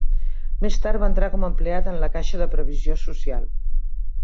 Més tard va entrar com a empleat en la Caixa de Previsió Social.